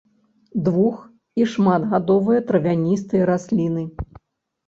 Двух- і шматгадовыя травяністыя расліны.